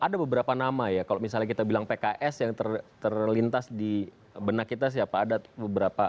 ada beberapa nama ya kalau misalnya kita bilang pks yang terlintas di benak kita siapa ada beberapa